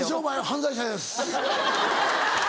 「犯罪者です」。